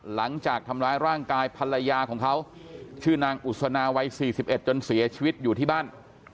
หลังจากทำร้ายร่างกายภรรยาของเขาชื่อนางอุศนาวัย๔๑จนเสียชีวิตอยู่ที่บ้าน